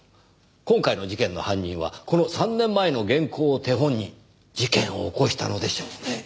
今回の事件の犯人はこの３年前の原稿を手本に事件を起こしたのでしょうね。